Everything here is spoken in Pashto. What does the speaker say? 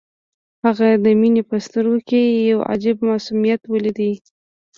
هغه د مينې په سترګو کې يو عجيب معصوميت وليد.